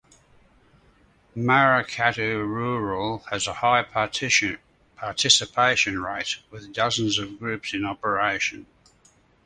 "Maracatu Rural" has a high participation rate with dozens of groups in operation.